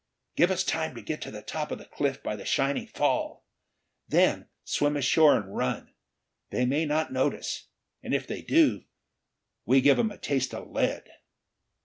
"Give us time to get to the top of the cliff by the shining fall. Then swim ashore and run. They may not notice. And if they do, we give 'em a taste of lead!"